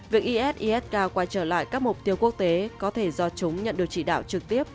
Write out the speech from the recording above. việc es isk quay trở lại các mục tiêu quốc tế có thể do chúng nhận được chỉ đạo trực tiếp